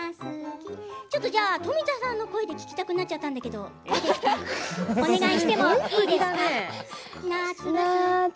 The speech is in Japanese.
富田さんの声で聴きたくなっちゃったんだけどお願いしていいかな？